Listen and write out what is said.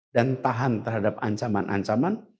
dan tahan terhadap ancaman ancaman